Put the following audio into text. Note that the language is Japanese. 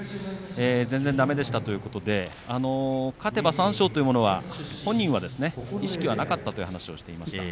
全然だめでしたということで勝てば三賞ということは本人は意識はなかったという話をしていました。